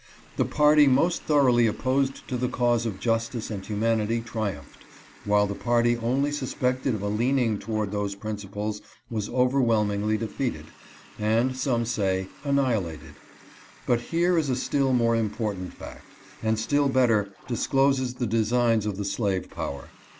The party most thoroughly opposed to the cause of justice and humanity triumphed, while the party only suspected of a leaning toward those principles was overwhelmingly defeated, and, some say, annihilated. But here is a still more important fact, and still better discloses the designs of the slave power.